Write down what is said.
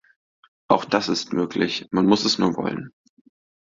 Auch das ist möglich man muss es nur wollen!